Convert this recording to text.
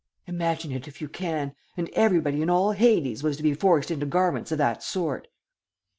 Imagine it if you can and everybody in all Hades was to be forced into garments of that sort!"